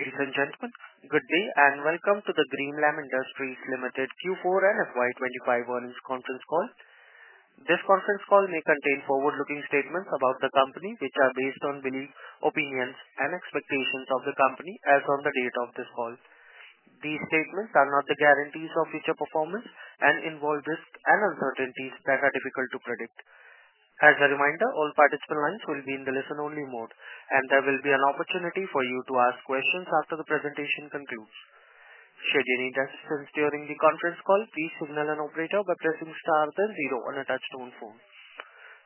Ladies and gentlemen, good day and welcome to the Greenlam Industries Limited Q4 and FY25 earnings conference call. This conference call may contain forward-looking statements about the company, which are based on beliefs, opinions, and expectations of the company as of the date of this call. These statements are not the guarantees of future performance and involve risks and uncertainties that are difficult to predict. As a reminder, all participant lines will be in the listen-only mode, and there will be an opportunity for you to ask questions after the presentation concludes. Should you need assistance during the conference call, please signal an operator by pressing star then zero on a touch-tone phone.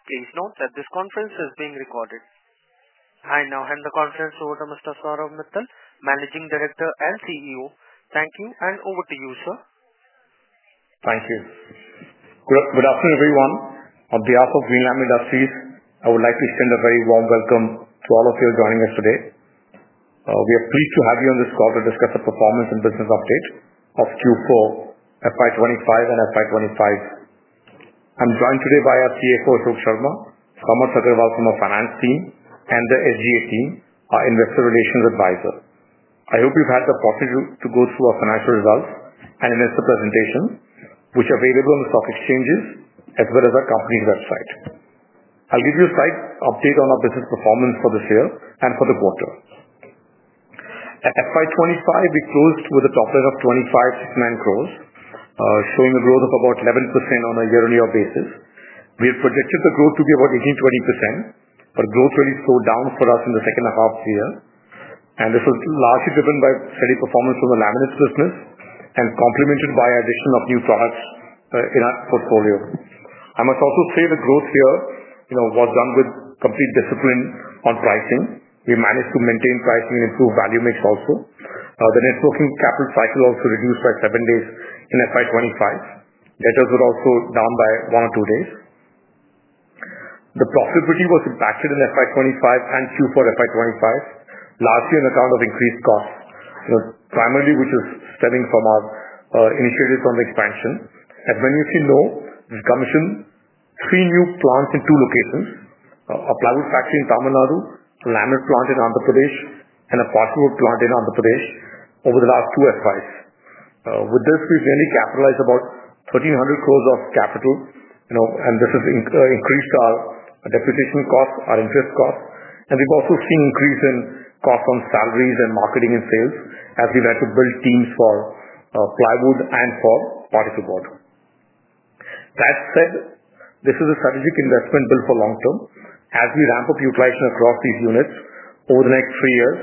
Please note that this conference is being recorded. I now hand the conference over to Mr. Saurabh Mittal, Managing Director and CEO. Thank you, and over to you, sir. Thank you. Good afternoon, everyone. On behalf of Greenlam Industries, I would like to extend a very warm welcome to all of you joining us today. We are pleased to have you on this call to discuss the performance and business update of Q4, FY2025, and FY2025. I'm joined today by our CFO, Ashok Sharma, Samarth Agarwal from our Finance Team, and the SGA team, our Investor Relations Advisor. I hope you've had the opportunity to go through our financial results and investor presentations, which are available on the stock exchanges as well as our Company's website. I'll give you a slight update on our business performance for this year and for the quarter. At FY2025, we closed with a profit of 2,569 crore, showing a growth of about 11% on a year-on-year basis. We had projected the growth to be about 18% to 20%, but growth really slowed down for us in the second half of the year. This was largely driven by steady performance from the Laminate s business and complemented by the addition of new products in our portfolio. I must also say the growth here was done with complete discipline on pricing. We managed to maintain pricing and improve value mix also. The Net Working Capital cycle also reduced by seven days in FY2025. Letters were also down by one or two days. The profitability was impacted in FY2025 and Q4 FY2025, largely on account of increased costs, primarily which was stemming from our initiatives on the expansion. As many of you know, we commissioned three new plants in two locations: a Plywood Factory in Tamil Nadu, a Laminate Plant in Andhra Pradesh, and a Particle Board Plant in Andhra Pradesh over the last two financial years. With this, we've nearly capitalized about 1,300 crore of capital, and this has increased our depreciation costs, our interest costs. We've also seen an increase in costs on salaries and marketing and sales as we've had to build teams for Plywood and for Particle Board. That said, this is a strategic investment built for long term. As we ramp up utilization across these units over the next three years,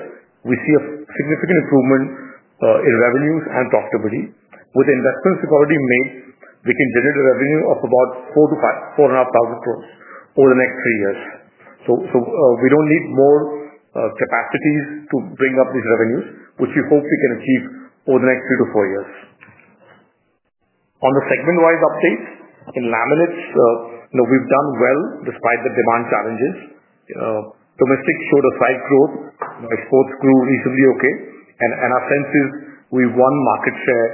we see a significant improvement in revenues and profitability. With the investments we've already made, we can generate a revenue of about 4,000-5,500 crore over the next three years. We do not need more capacities to bring up these revenues, which we hope we can achieve over the next three to four years. On the segment-wise updates, in Laminate s, we have done well despite the demand challenges. Domestic showed a slight growth. Exports grew reasonably okay. Our sense is we have won market share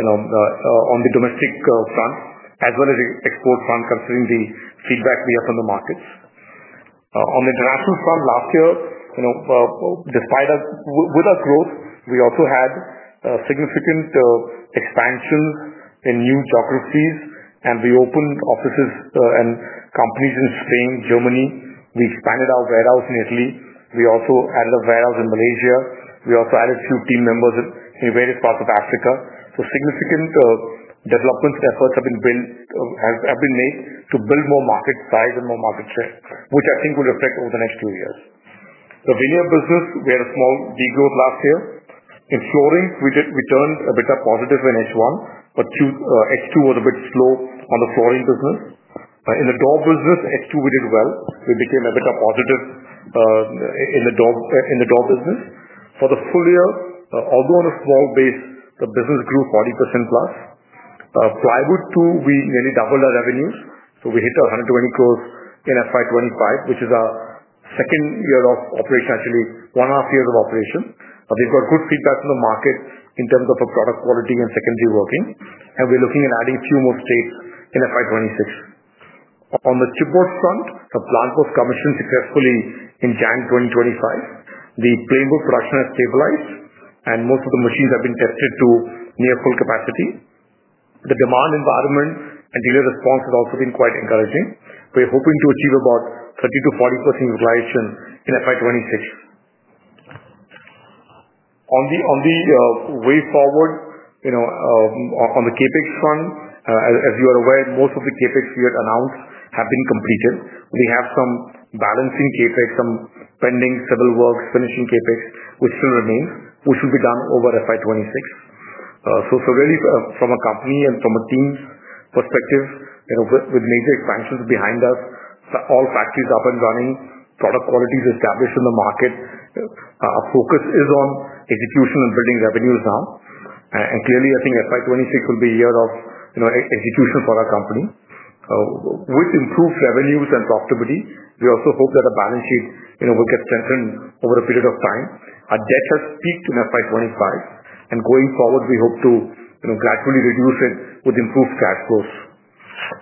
on the domestic front as well as the export front, considering the feedback we have from the markets. On the international front, last year, despite our growth, we also had significant expansions in new geographies, and we opened offices and companies in Spain and Germany. We expanded our warehouse in Italy. We also added a warehouse in Malaysia. We also added a few team members in various parts of Africa. Significant development efforts have been made to build more market size and more market share, which I think will reflect over the next two years. The Veneer business, we had a small degrowth last year. In flooring, we turned EBITDA positive in H1, but H2 was a bit slow on the Flooring business. In the Door business, H2 we did well. We became EBITDA positive in the door business. For the full year, although on a small base, the business grew 40% plus. Plywood too, we nearly doubled our revenues. So we hit 120 crore in FY2025, which is our second year of operation, actually one and a half years of operation. We have got good feedback from the market in terms of our product quality and secondary working. We are looking at adding a few more states in FY2026. On the Chipboard front, the plant was commissioned successfully in January 2025. The plain board production has stabilized, and most of the machines have been tested to near full capacity. The demand environment and dealer response has also been quite encouraging. We're hoping to achieve about 30-40% utilization in FY2026. On the way forward, on the CapEx front, as you are aware, most of the CapEx we had announced have been completed. We have some balancing CapEx, some pending civil works, finishing CapEx, which still remains, which will be done over FY2026. Really, from a Company and from a Team perspective, with major expansions behind us, all factories up and running, product quality is established in the market. Our focus is on execution and building revenues now. Clearly, I think FY2026 will be a Year of Execution for our Company. With improved revenues and profitability, we also hope that our Balance Sheet will get strengthened over a period of time. Our debt has peaked in FY2025, and going forward, we hope to gradually reduce it with improved cash flows.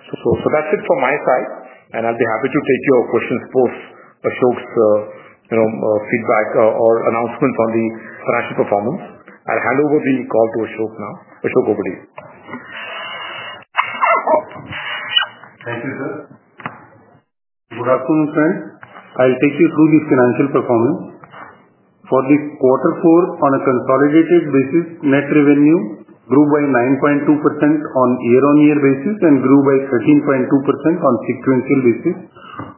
That is it from my side, and I'll be happy to take your questions, post Ashok's feedback or announcements on the financial performance. I'll hand over the call to Ashok now. Ashok, over to you. Thank you, sir. Good afternoon, friends. I'll take you through the financial performance. For the quarter four, on a consolidated basis, net revenue grew by 9.2% on year-on-year basis and grew by 13.2% on sequential basis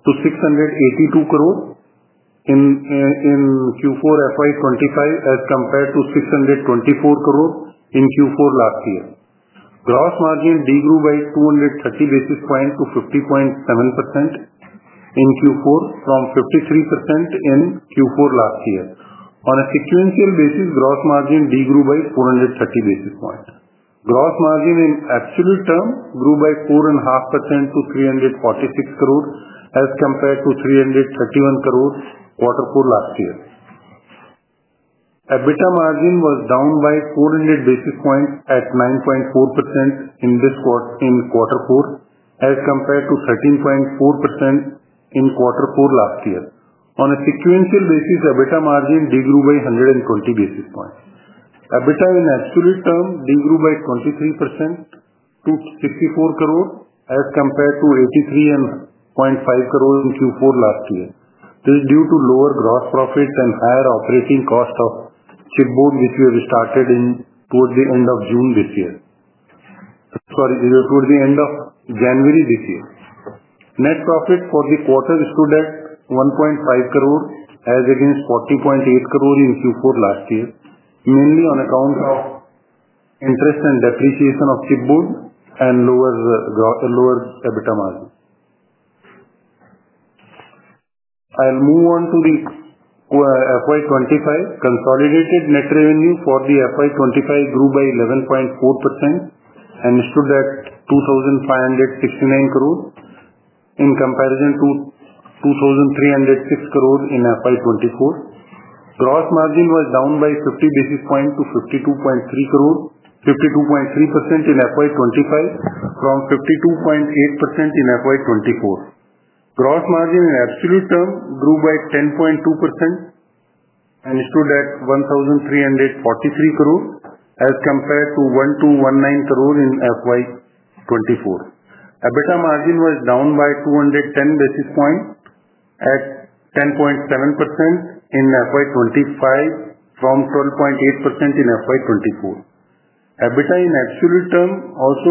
to 6,820,000,000 in Q4 FY2025 as compared to 6,240,000,000 in Q4 last year. Gross margin degrew by 230 basis points to 50.7% in Q4 from 53% in Q4 last year. On a sequential basis, Gross Margin degrew by 430 basis points. Gross margin in absolute term grew by 4.5% to 3,460,000,000 as compared to 3,310,000,000 quarter four last year. EBITDA Margin was down by 400 basis points at 9.4% in quarter four as compared to 13.4% in quarter four last year. On a sequential basis, EBITDA Margin degrew by 120 basis points. EBITDA in absolute term degrew by 23% to 640 million as compared to 835 million in Q4 last year. This is due to lower Gross Profits and higher operating cost of Phipboard, which we have started towards the end of June this year. Sorry, towards the end of January this year. Net Profit for the quarter stood at 15 million as against 408 million in Q4 last year, mainly on account of interest and depreciation of chipboard and lower EBITDA margin. I'll move on to the FY2025. Consolidated net revenue for the FY2025 grew by 11.4% and stood at 2,569 crore in comparison to 2,306 crore in FY2024. Gross margin was down by 50 basis points to 52.3% in FY2025 from 52.8% in FY2024. Gross margin in absolute term grew by 10.2% and stood at 13,430 crore as compared to 12,190 million in FY2024. EBITDA margin was down by 210 basis points at 10.7% in FY2025 from 12.8% in FY2024. EBITDA in absolute term also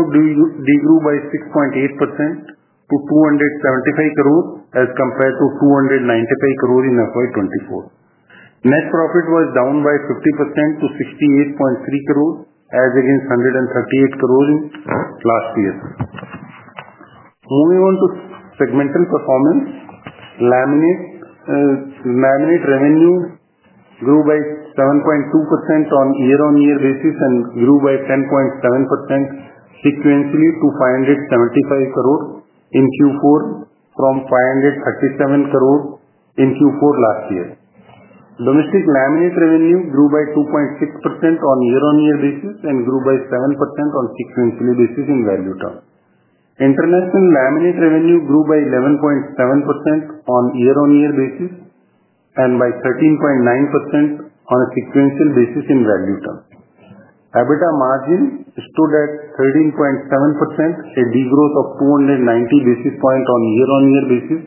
degrew by 6.8% to 275 crore as compared to 295 crore in FY2024. Net profit was down by 50% to 68.3 crore as against 138 crore last year. Moving on to Segmental Performance, Laminate Revenue grew by 7.2% on year-on-year basis and grew by 10.7% sequentially to 575 crore in Q4 from 537 crore in Q4 last year. Domestic Laminate revenue grew by 2.6% on year-on-year basis and grew by 7% on sequentially basis in value term. International Laminate Revenue grew by 11.7% on year-on-year basis and by 13.9% on a sequential basis in value term. EBITDA margin stood at 13.7%, a degrowth of 290 basis points on year-on-year basis,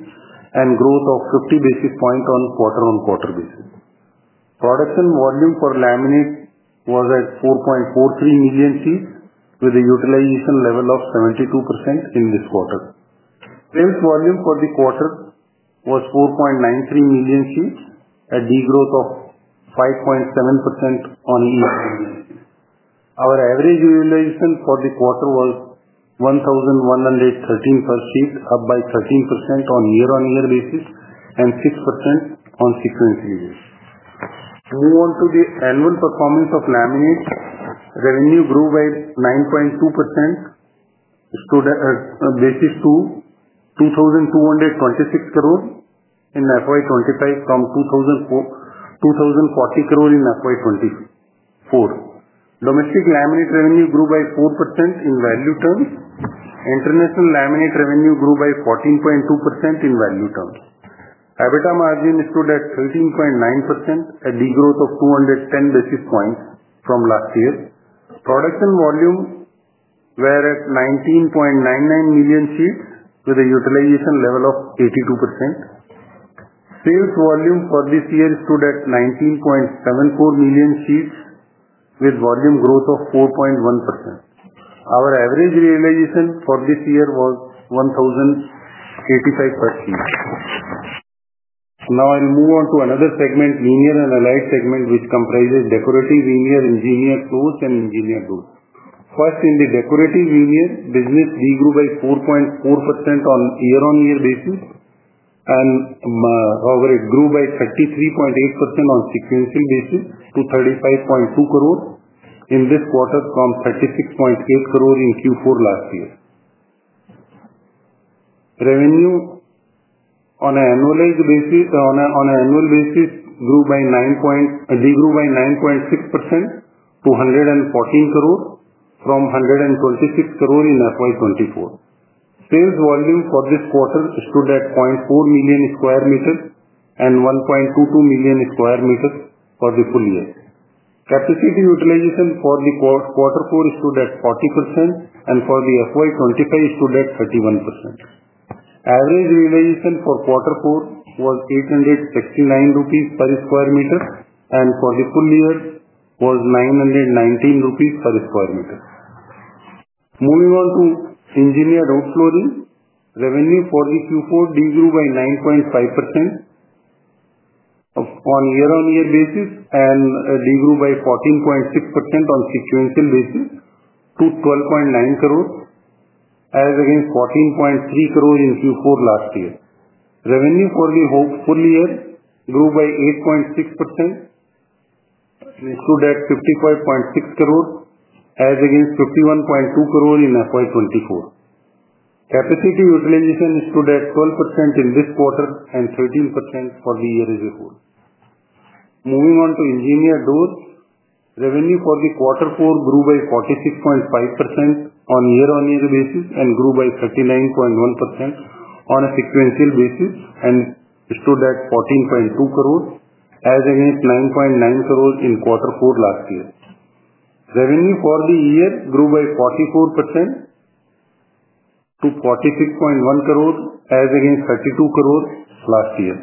and growth of 50 basis points on quarter-on-quarter basis. Production volume for Laminate was at 4.43 million sheets, with a utilization level of 72% in this quarter. Sales volume for the quarter was 4.93 million sheets, a degrowth of 5.7% on each. Our average realization for the quarter was 1,113 per sheet, up by 13% on year-on-year basis and 6% sequentially. Move on to the annual performance of Laminate. Revenue grew by 9.2% to 2,226 crore in FY2025 from 2,040 crore in FY2024. Domestic Laminate Revenue grew by 4% in value terms. International Laminate Revenue grew by 14.2% in value terms. EBITDA Margin stood at 13.9%, a degrowth of 210 basis points from last year. Production volume was at 19.99 million sheets, with a utilization level of 82%. Sales volume for this year stood at 19.74 million sheets, with volume growth of 4.1%. Our average realization for this year was 1,085 per sheet. Now I'll move on to another segment, Veneer and Allied Segment, which comprises Decorative Veneer, Engineered Doors, and Engineered Goods. First, in the Decorative Veneer business, we grew by 4.4% on year-on-year basis, and however, it grew by 33.8% on sequential basis to 35.2 crore in this quarter from 36.8 crore in Q4 last year. Revenue on an annual basis grew by 9.6% to 114 crore from 126 crore in FY2024. Sales volume for this quarter stood at 0.4 million sq m and 1.22 million sq m for the full year. Capacity utilization for the quarter four stood at 40%, and for the FY2025 stood at 31%. Average realization for quarter four was 869 rupees per sq m, and for the full year was 919 rupees per sq m. Moving on to Engineered Flooring, Revenue for the Q4 degrew by 9.5% on year-on-year basis and degrew by 14.6% on sequential basis to 12.9 crore as against 14.3 crore in Q4 last year. Revenue for the full year grew by 8.6%, stood at 55.6 crore as against 51.2 crore in FY2024. Capacity utilization stood at 12% in this quarter and 13% for the year as before. Moving on to Engineered Doors, Revenue for the quarter four grew by 46.5% on year-on-year basis and grew by 39.1% on a sequential basis and stood at 14.2 crore as against 9.9 crore in quarter four last year. Revenue for the year grew by 44% to 46.1 crore as against 32 crore last year.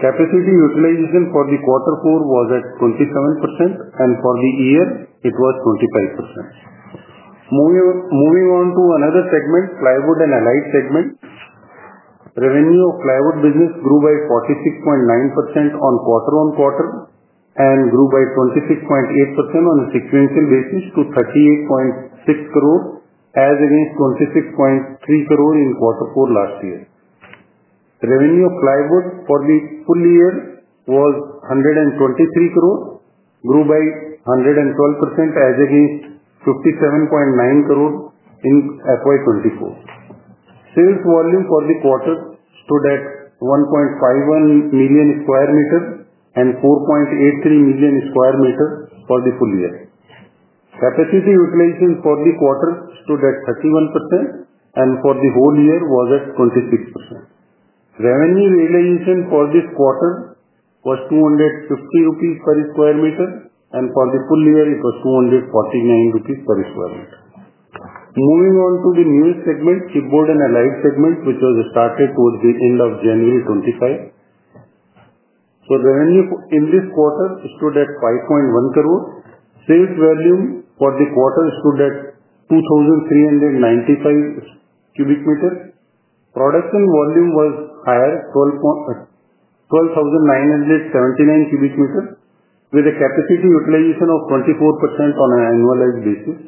Capacity utilization for the quarter four was at 27%, and for the year, it was 25%. Moving on to another segment, Plywood and Allied Segment, revenue of Plywood business grew by 46.9% on quarter on quarter and grew by 26.8% on a sequential basis to 38.6 crore as against 26.3 crore in quarter four last year. Revenue of Plywood for the full year was 123 crore, grew by 112% as against 57.9 crore in FY2024. Sales volume for the quarter stood at 1.51 million sq m and 4.83 million sq m for the full year. Capacity utilization for the quarter stood at 31%, and for the whole year was at 26%. Revenue realization for this quarter was 250 rupees per sq m, and for the full year, it was 249 rupees per sq m. Moving on to the nearest segment, Chipboard and Allied Segment, which was started towards the end of January 2025. Revenue in this quarter stood at 5.1 crore. Sales volume for the quarter stood at 2,395 cubic meters. Production volume was higher, 12,979 cubic meters, with a capacity utilization of 24% on an annualized basis.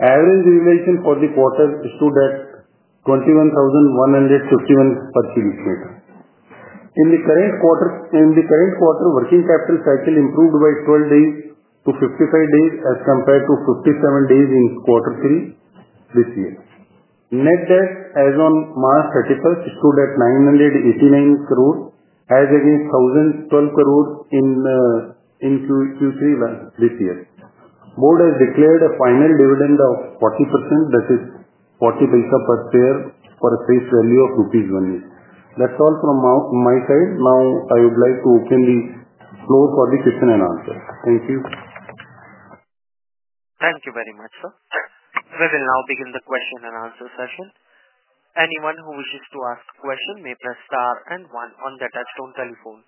Average realization for the quarter stood at 21,151 per cubic meter. In the current quarter, working capital cycle improved by 12 days to 55 days as compared to 57 days in quarter three this year. Net debt as on March 31 stood at 989 crore as against 1,012 crore in Q3 this year. Board has declared a final dividend of 40%, that is 0.40 per share for a face value of INR 1. That's all from my side. Now I would like to open the floor for the question and answer. Thank you. Thank you very much, sir. We will now begin the question and answer session. Anyone who wishes to ask a question may press star and one on the touchstone telephone.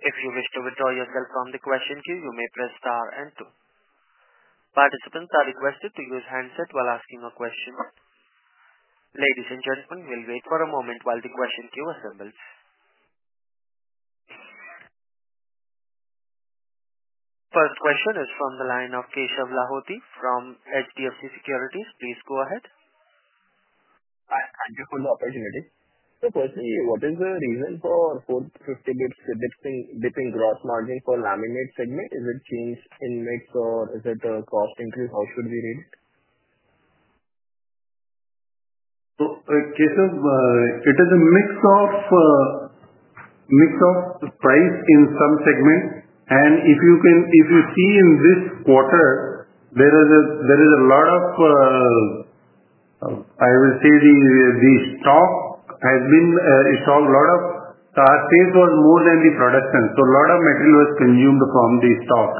If you wish to withdraw yourself from the question queue, you may press star and two. Participants are requested to use handset while asking a question. Ladies and gentlemen, we'll wait for a moment while the question queue assembles. First question is from the line of Keshav Lahoti from HDFC Securities. Please go ahead. Thank you for the opportunity. Firstly, what is the reason for 450 basis points dipping gross margin for Laminate segment? Is it change in mix or is it a cost increase? How should we read it? Keshav, it is a mix of price in some segment, and if you see in this quarter, there is a lot of, I will say the stock has been, a lot of sales was more than the production. A lot of material was consumed from the stock.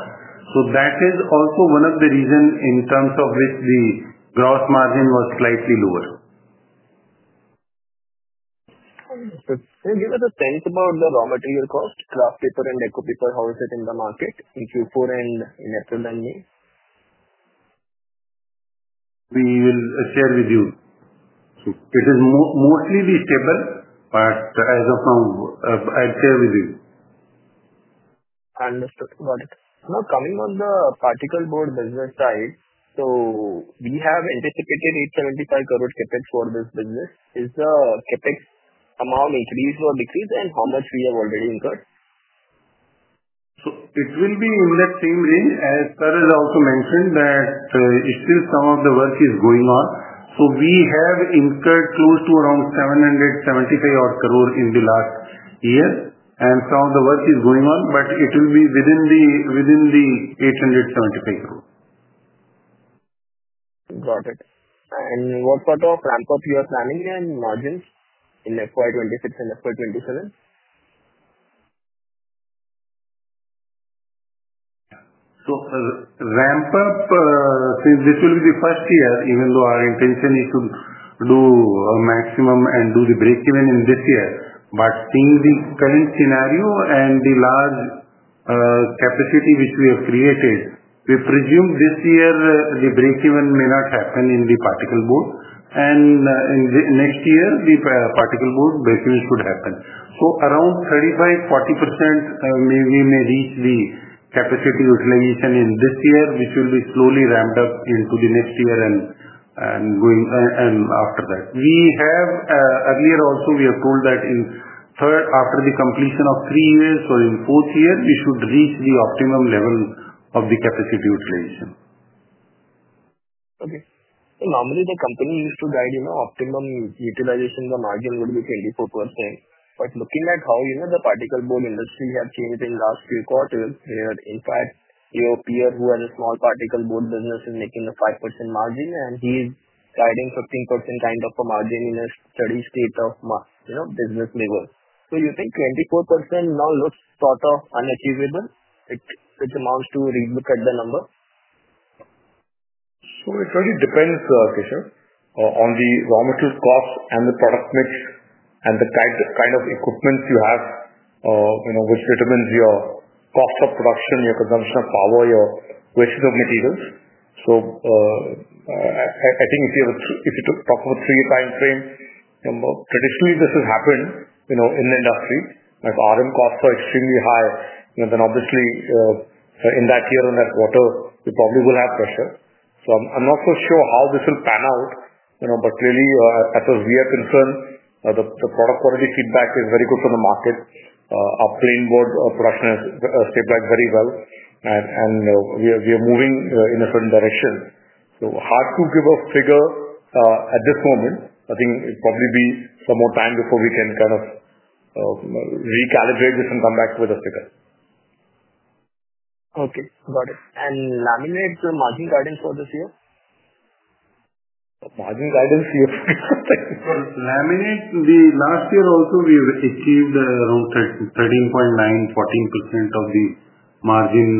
That is also one of the reasons in terms of which the gross margin was slightly lower. Can you give us a sense about the raw material cost, kraft paper and deco paper? How is it in the market in Q4 and in April and May? We will share with you. It is mostly stable, but as of now, I'll share with you. Understood. Got it. Now coming on the particle board business side, we have anticipated 875 crore CapEx for this business. Is the CapEx amount increased or decreased, and how much have we already incurred? It will be in that same range as Saurabh has also mentioned that it's still some of the work is going on. We have incurred close to around 775 crore in the last year, and some of the work is going on, but it will be within the 875 crore. Got it. What part of ramp up are you planning and margins in FY2026 and FY2027? Ramp up, since this will be the first year, even though our intention is to do a maximum and do the breakeven in this year. Seeing the current scenario and the large capacity which we have created, we presume this year the breakeven may not happen in the Particle Board, and next year the Particle Board breakeven should happen. Around 35%-40% we may reach the capacity utilization in this year, which will be slowly ramped up into the next year and after that. We have earlier also told that after the completion of three years or in the fourth year, we should reach the optimum level of the capacity utilization. Okay. Normally the company used to guide optimum utilization, the margin would be 24%. Looking at how the particle board industry has changed in the last few quarters, where in fact your peer who has a small particle board business is making a 5% margin, and he is guiding 15% kind of a margin in a steady state of business level. Do you think 24% now looks sort of unachievable? Which amounts to read at the number? It really depends, Keshav, on the raw material cost and the product mix and the kind of equipment you have, which determines your cost of production, your consumption of power, your waste of materials. I think if you talk about a three-year time frame, traditionally this has happened in the industry. If RM costs are extremely high, then obviously in that year and that quarter, we probably will have pressure. I'm not so sure how this will pan out, but clearly as far as we are concerned, the product quality feedback is very good for the market. Our plane board production has stabilized very well, and we are moving in a certain direction. Hard to give a figure at this moment. I think it will probably be some more time before we can kind of recalibrate this and come back with a figure. Okay. Got it. And Laminate margin guidance for this year? Margin guidance, yes. So Laminate, last year also we achieved around 13.9%-14% of the margin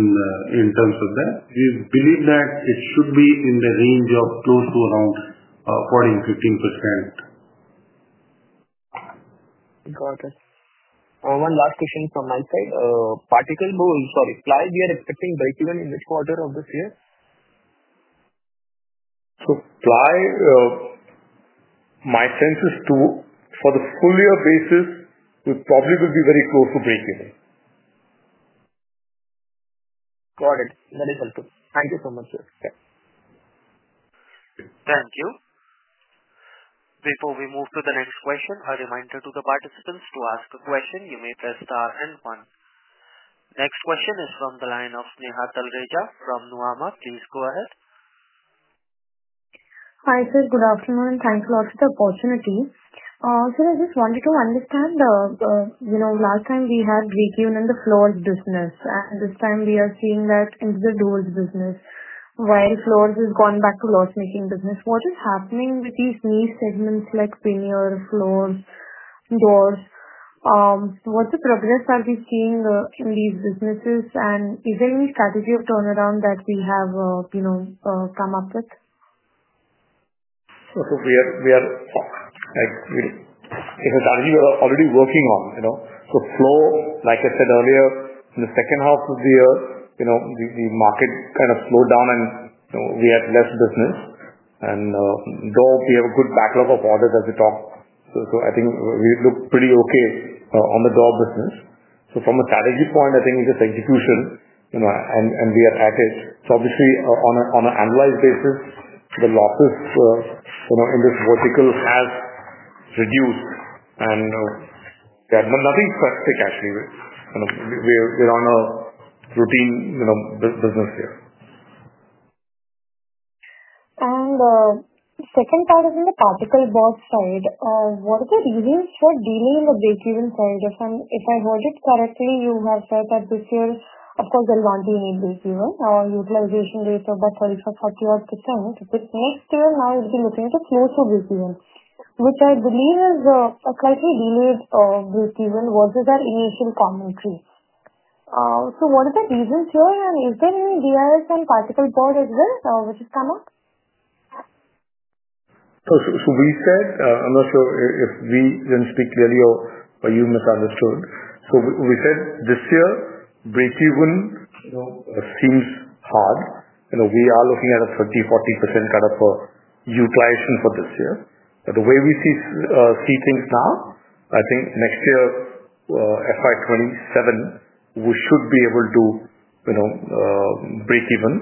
in terms of that. We believe that it should be in the range of close to around 14%-15%. Got it. One last question from my side. Particle board, sorry, ply, we are expecting breakeven in which quarter of this year? Ply, my sense is for the full year basis, we probably will be very close to breakeven. Got it. That is helpful. Thank you so much, sir. Thank you. Before we move to the next question, a reminder to the participants to ask a question. You may press star and one. Next question is from the line of Sneha Talreja from Nuvama. Please go ahead. Hi sir, good afternoon. Thanks a lot for the opportunity. Sir, I just wanted to understand the last time we had breakeven in the floors business, and this time we are seeing that in the doors business while floors has gone back to loss-making business. What is happening with these new segments like veneer, floors, doors? What's the progress are we seeing in these businesses, and is there any strategy of turnaround that we have come up with? We are a strategy we are already working on. Floor, like I said earlier, in the second half of the year, the market kind of slowed down, and we had less business. Door, we have a good backlog of orders as we talk. I think we look pretty okay on the door business. From a strategy point, I think it's just execution, and we are at it. Obviously, on an annualized basis, the losses in this vertical have reduced, and nothing specific actually. We're on a routine business here. The second part is on the particle board side. What are the reasons for delay in the breakeven side? If I heard it correctly, you have said that this year, of course, there's going to be a breakeven. Our utilization rate is about 35%-40%. This next year now, we'll be looking at a closer breakeven, which I believe is a slightly delayed breakeven versus our initial commentary. What are the reasons here, and is there any DMS on particle board as well which has come up? We said, I'm not sure if we didn't speak clearly or you misunderstood. We said this year, breakeven seems hard. We are looking at a 30%-40% kind of utilization for this year. The way we see things now, I think next year, FY2027, we should be able to breakeven.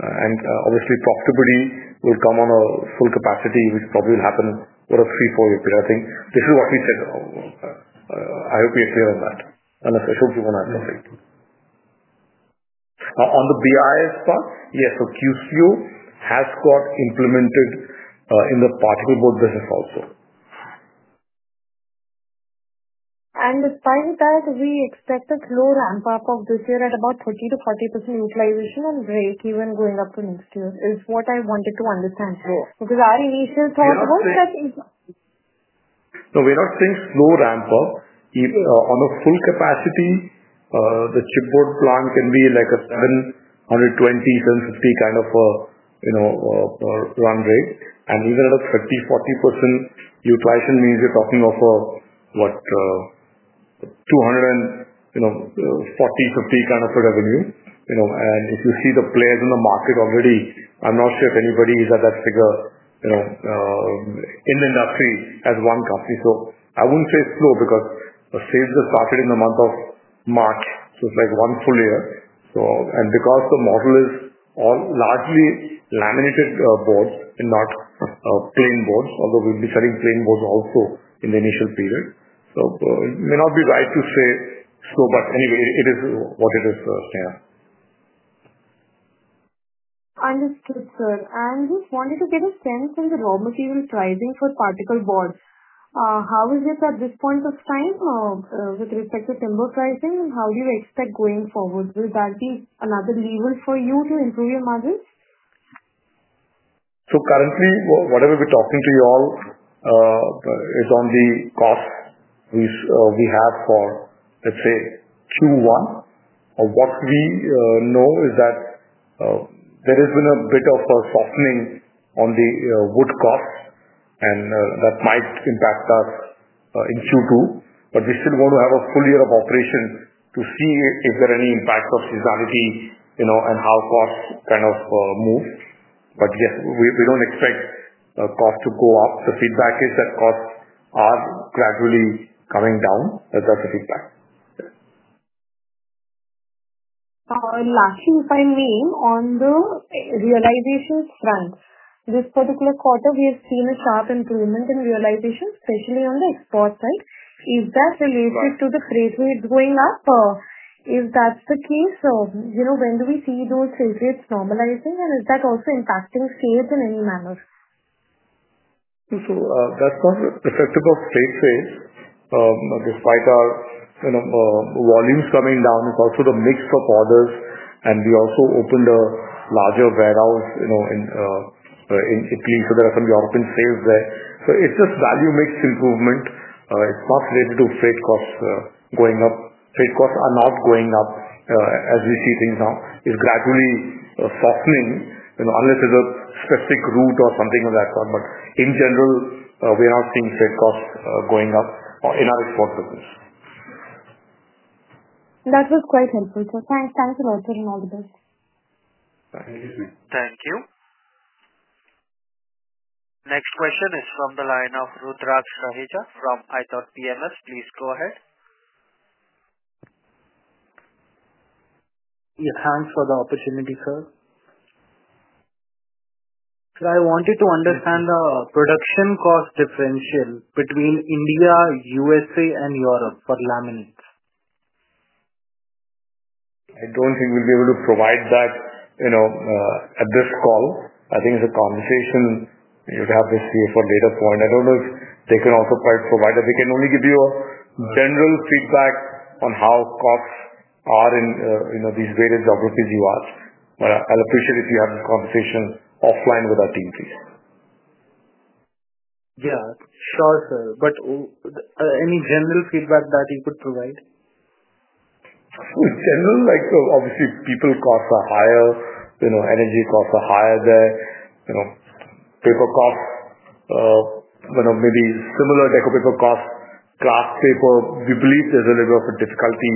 Obviously, profitability will come on a full capacity, which probably will happen over a three to four-year period. I think this is what we said. I hope we are clear on that. Unless I should be wrong, I apologize. On the BIS part, yes. QCO has got implemented in the Particle Board business also. Despite that, we expected slow ramp up of this year at about 30% to 40% utilization and breakeven going up to next year is what I wanted to understand. Because our initial thought was that. No, we're not saying slow ramp up. On a full capacity, the chipboard plant can be like a 720-750 kind of run rate. And even at a 30% to 40% utilization means you're talking of what, 240-250 kind of a revenue. If you see the players in the market already, I'm not sure if anybody is at that figure in the industry as one company. I wouldn't say slow because sales just started in the month of March. It is like one full year. Because the model is largely Laminate d boards and not plain boards, although we'll be selling plain boards also in the initial period. It may not be right to say slow, but anyway, it is what it is, Sneha. Understood, sir. Just wanted to get a sense on the raw material pricing for particle board. How is it at this point of time with respect to timber pricing, and how do you expect going forward? Will that be another level for you to improve your margins? Currently, whatever we're talking to you all is on the cost we have for, let's say, Q1. What we know is that there has been a bit of a softening on the wood costs, and that might impact us in Q2. We still want to have a full year of operation to see if there are any impacts of seasonality and how costs kind of move. Yes, we don't expect costs to go up. The feedback is that costs are gradually coming down. That's the feedback. Lastly, if I may, on the realization front, this particular quarter, we have seen a sharp improvement in realization, especially on the export side. Is that related to the freight rates going up? If that's the case, when do we see those freight rates normalizing, and is that also impacting sales in any manner? That's not reflective of freight sales. Despite our volumes coming down, it's also the mix of orders, and we also opened a larger warehouse in Italy. There are some European sales there. It's just value mix improvement. It's not related to freight costs going up. Freight costs are not going up as we see things now. It's gradually softening, unless there's a specific route or something of that sort. In general, we are not seeing freight costs going up in our export business. That was quite helpful. Thanks. Thanks a lot and all the best. Thank you. Next question is from the line of Rudraak Shahija from ithought PMS. Please go ahead. Yeah, thanks for the opportunity, sir. Sir, I wanted to understand the production cost differential between India, U.S.A., and Europe for Laminates. I don't think we'll be able to provide that at this call. I think it's a conversation you'd have this year for a later point. I don't know if they can also provide that. They can only give you a general feedback on how costs are in these various geographies you are. I'll appreciate it if you have this conversation offline with our team, please. Yeah, sure, sir. But any general feedback that you could provide? Generally, like obviously, people costs are higher. Energy costs are higher there. Paper costs, maybe similar, deco paper costs, glass paper. We believe there's a little bit of a difficulty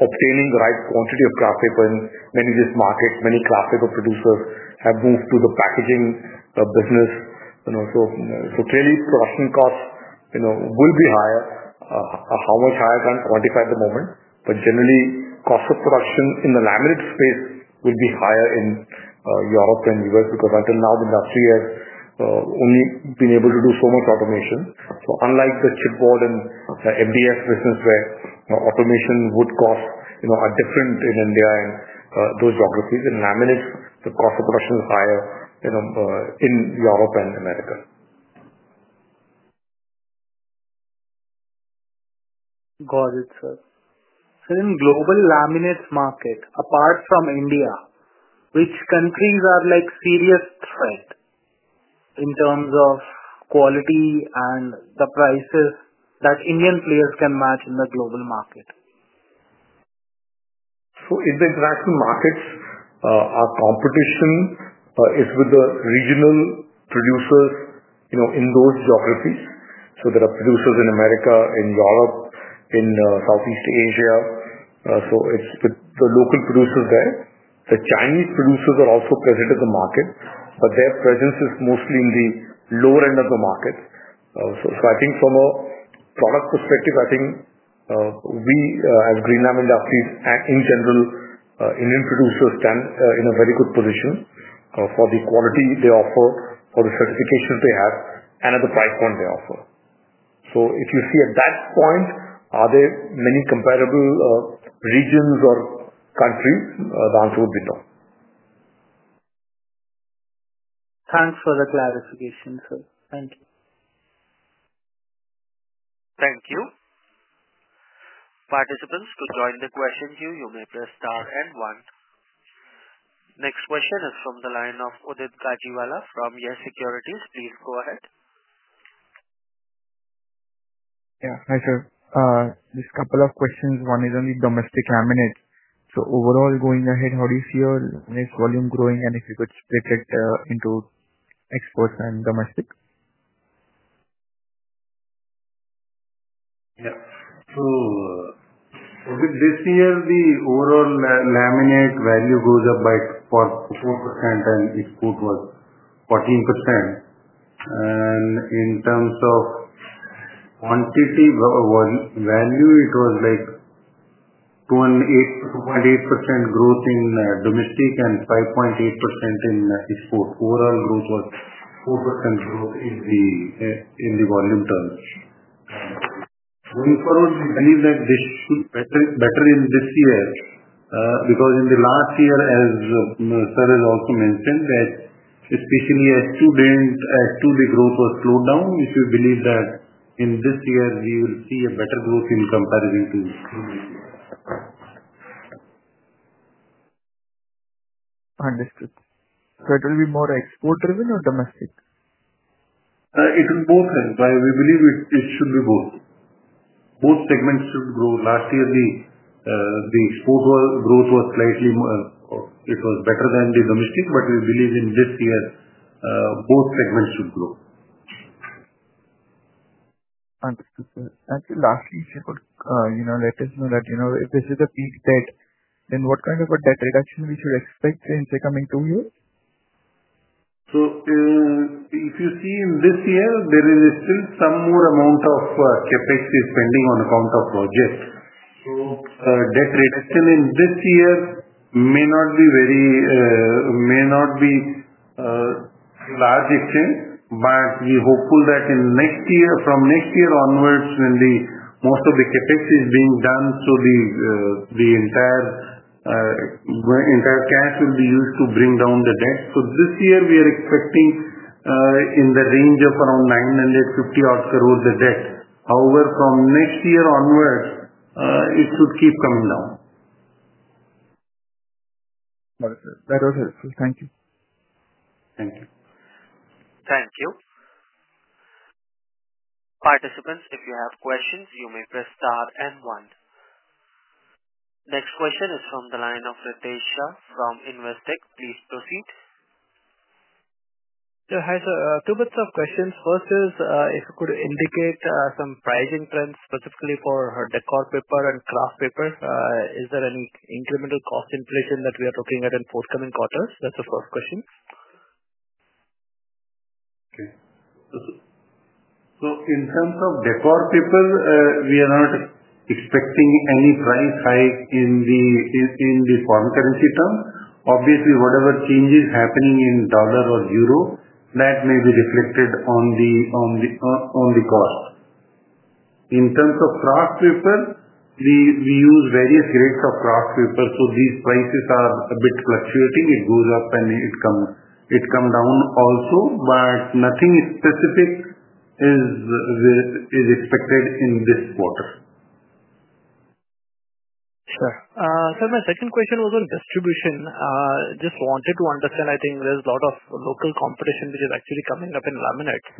obtaining the right quantity of glass paper in many of these markets. Many glass paper producers have moved to the packaging business. Clearly, production costs will be higher. How much higher, can't quantify at the moment. Generally, cost of production in the Laminate space will be higher in Europe than the U.S. because until now, the industry has only been able to do so much automation. Unlike the chipboard and MDF business, where automation costs are different in India and those geographies, in Laminate s, the cost of production is higher in Europe and America. Got it, sir. In the global Laminate s market, apart from India, which countries are like a serious threat in terms of quality and the prices that Indian players can match in the global market? In the international markets, our competition is with the regional producers in those geographies. There are producers in America, in Europe, in Southeast Asia. It's with the local producers there. The Chinese producers are also present in the market, but their presence is mostly in the lower end of the market. I think from a product perspective, we, as Greenlam Industries, and in general, Indian producers stand in a very good position for the quality they offer, for the certifications they have, and at the price point they offer. If you see at that point, are there many comparable regions or countries, the answer would be no. Thanks for the clarification, sir. Thank you. Thank you. Participants, to join the question queue, you may press star and one. Next question is from the line of Udit Gajiwala from Yes Securities. Please go ahead. Yeah, hi sir. Just a couple of questions. One is on the domestic Laminates. So overall, going ahead, how do you see your Laminate s volume growing and if you could split it into exports and domestic? Yeah. This year, the overall Laminate value goes up by 4%, and it was 14%. In terms of quantity value, it was like 2.8% growth in domestic and 5.8% in export. Overall growth was 4% growth in the volume terms. Going forward, we believe that this should be better in this year because in the last year, as sir has also mentioned, that especially as to the growth was slowed down, we believe that in this year, we will see a better growth in comparison to the previous year. Understood. So it will be more export-driven or domestic? It will be both. We believe it should be both. Both segments should grow. Last year, the export growth was slightly better than the domestic, but we believe in this year, both segments should grow. Understood, sir. Actually, lastly, sir, let us know that if this is a big debt, then what kind of a debt reduction we should expect in the coming two years? If you see in this year, there is still some more amount of CapEx is pending on account of projects. Debt reduction in this year may not be very large exchange, but we're hopeful that from next year onwards, when most of the CapEx is being done, the entire cash will be used to bring down the debt. This year, we are expecting in the range of around 950 crore the debt. However, from next year onwards, it should keep coming down. Got it, sir. That was helpful. Thank you. Thank you. Thank you. Participants, if you have questions, you may press star and one. Next question is from the line of Ritech Shah from Investec. Please proceed. Yeah, hi sir. Two bits of questions. First is if you could indicate some pricing trends specifically for decor paper and kraft paper. Is there any incremental cost inflation that we are looking at in forthcoming quarters? That's the first question. Okay. So in terms of decor paper, we are not expecting any price hike in the foreign currency term. Obviously, whatever changes happening in dollar or euro, that may be reflected on the cost. In terms of kraft paper, we use various grades of kraft paper. So these prices are a bit fluctuating. It goes up and it comes down also, but nothing specific is expected in this quarter. Sure. Sir, my second question was on distribution. Just wanted to understand. I think there's a lot of local competition which is actually coming up in Laminate s.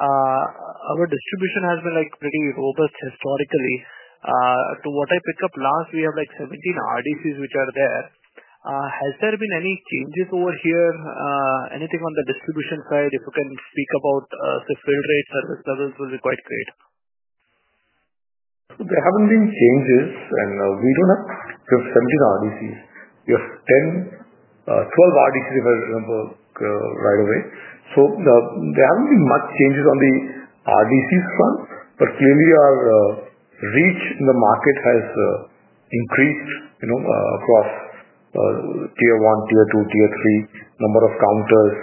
Our distribution has been pretty robust historically. To what I picked up last, we have like 17 RDCs which are there. Has there been any changes over here? Anything on the distribution side? If you can speak about, say, fill rates, service levels will be quite great. There have not been changes, and we do not have 17 RDCs. We have 12 RDCs, if I remember right away. There have not been many changes on the RDCs front, but clearly, our reach in the market has increased across tier one, tier two, tier three, number of counters.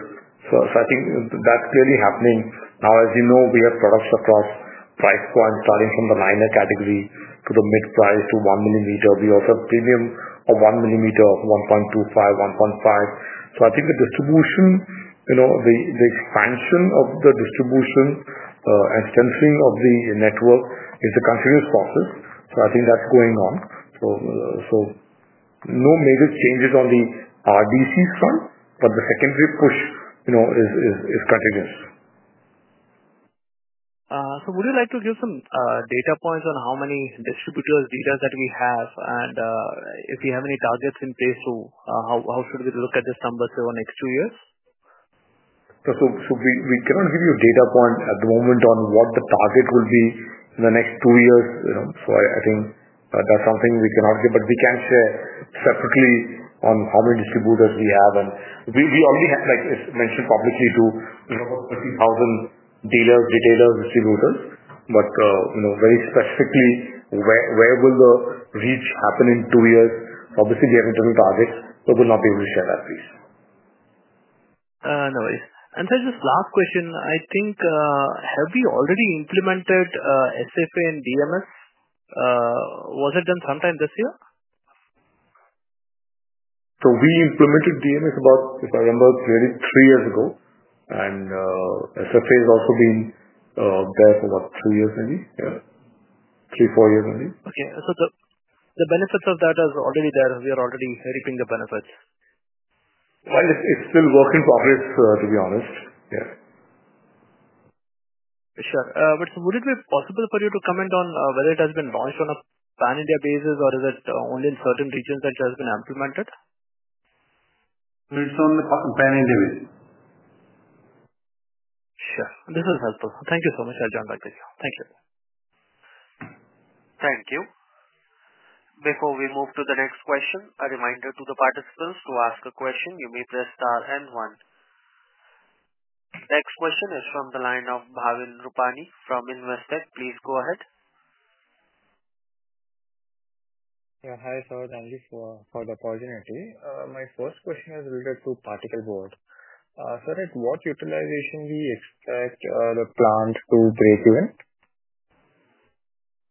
I think that is clearly happening. Now, as you know, we have products across price points, starting from the liner category to the mid price to 1 millimeter. We also have premium of 1 millimeter, 1.25, 1.5. I think the distribution, the expansion of the distribution and strengthening of the network is a continuous process. I think that is going on. No major changes on the RDCs front, but the secondary push is continuous. Would you like to give some data points on how many distributors data that we have? And if we have any targets in place to, how should we look at this number over the next two years? We cannot give you a data point at the moment on what the target will be in the next two years. I think that's something we cannot give. We can share separately on how many distributors we have. We already mentioned publicly to about 30,000 dealers, retailers, distributors. Very specifically, where will the reach happen in two years? Obviously, we have internal targets. We will not be able to share that piece. No worries. Sir, just last question. I think, have we already implemented SFA and DMS? Was it done sometime this year? We implemented DMS about, if I remember clearly, three years ago. SFA has also been there for about three years maybe. Yeah. Three, four years maybe. Okay. The benefits of that are already there. We are already reaping the benefits. It is still work in progress, to be honest. Yeah. Sure. Would it be possible for you to comment on whether it has been launched on a pan-India basis, or is it only in certain regions that it has been implemented? It's on the pan-India basis. Sure. This was helpful. Thank you so much. I'll join back with you. Thank you. Thank you. Before we move to the next question, a reminder to the participants to ask a question. You may press star and one. Next question is from the line of Bhavin Rupani from Investec. Please go ahead. Yeah. Hi, sir. Thank you for the opportunity. My first question is related to particle board. Sir, at what utilization do you expect the plant to break even?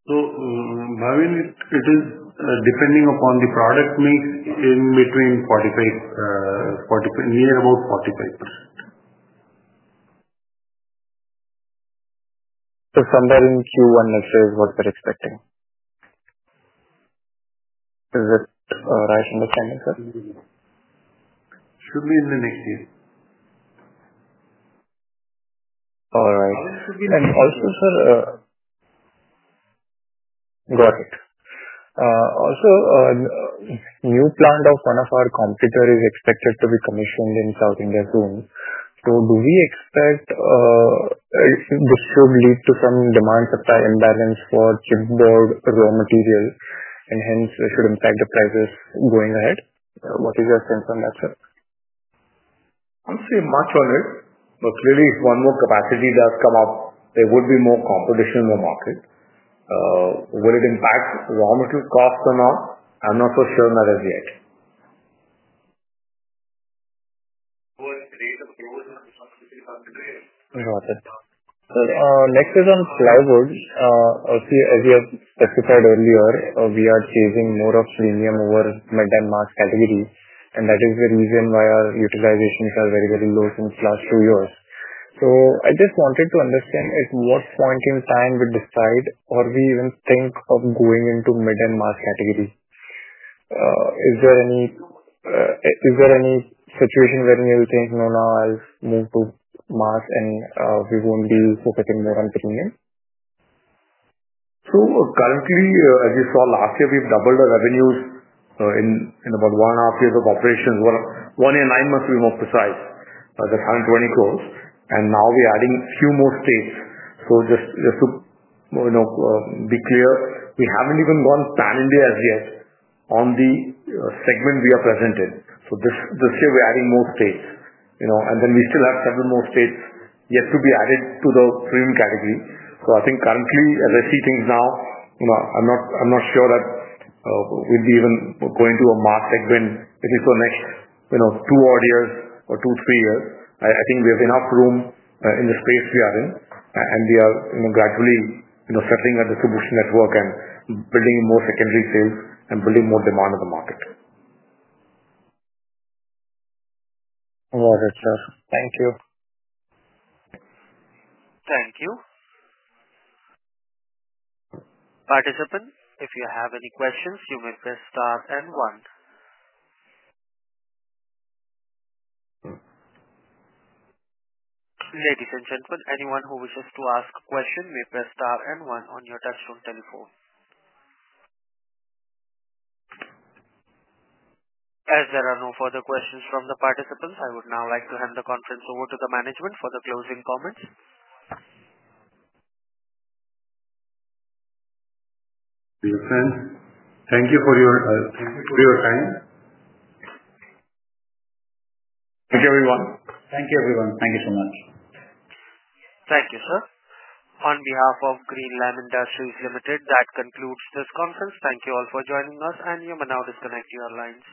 Bhavin, it is depending upon the product mix in between 45%, near about 45%. So somewhere in Q1 next year is what we're expecting. Is that a right understanding, sir? Should be in the next year. All right. Also, sir. Got it. Also, new plant of one of our competitors is expected to be commissioned in South India soon. Do we expect this should lead to some demand-supply imbalance for chipboard raw material? Hence, it should impact the prices going ahead. What is your sense on that, sir? I'll say much on it. Clearly, if one more capacity does come up, there would be more competition in the market. Will it impact raw material costs or not? I'm not so sure on that as yet. Got it. Next is on Plywood. As you have specified earlier, we are chasing more of premium over mid and mass category. That is the reason why our utilizations are very, very low since the last two years. I just wanted to understand at what point in time we decide or we even think of going into mid and mass category. Is there any situation wherein you will think, "No, now I'll move to mass, and we won't be focusing more on premium"? Currently, as you saw last year, we've doubled our revenues in about one and a half years of operations. One year nine months, to be more precise. That's 1,200,000,000. Now we're adding a few more states. Just to be clear, we haven't even gone pan-India as yet on the segment we are present in. This year, we're adding more states. We still have several more states yet to be added to the premium category. I think currently, as I see things now, I'm not sure that we'll be even going to a mass segment at least for the next two-odd years or two-three years. I think we have enough room in the space we are in, and we are gradually settling our distribution network and building more secondary sales and building more demand in the market. Got it, sir. Thank you. Thank you. Participants, if you have any questions, you may press star and one. Ladies and gentlemen, anyone who wishes to ask a question may press star and one on your touchstone telephone. As there are no further questions from the participants, I would now like to hand the conference over to the management for the closing comments. Yes, sir. Thank you for your time. Thank you, everyone. Thank you so much. Thank you, sir. On behalf of Greenlam Industries Limited, that concludes this conference. Thank you all for joining us, and you may now disconnect your lines.